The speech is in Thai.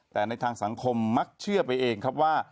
แต่ในทางสังคมมักเชื่อไปเองครับว่า